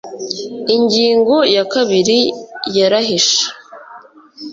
ingingo ya kabiri yarayishe